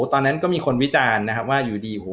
ตอนนั้นก็มีคนวิจารณ์นะครับว่าอยู่ดีโอ้โห